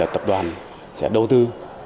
tập đoàn sẽ đầu tư